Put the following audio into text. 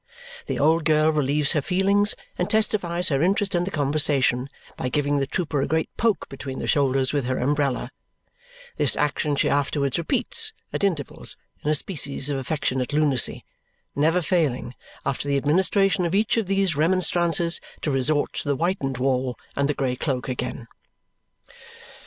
The old girl relieves her feelings and testifies her interest in the conversation by giving the trooper a great poke between the shoulders with her umbrella; this action she afterwards repeats, at intervals, in a species of affectionate lunacy, never failing, after the administration of each of these remonstrances, to resort to the whitened wall and the grey cloak again.